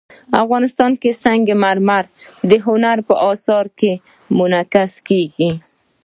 افغانستان کې سنگ مرمر د هنر په اثار کې منعکس کېږي.